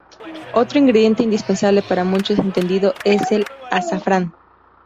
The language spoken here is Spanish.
Otro ingrediente indispensable para muchos entendidos es el azafrán.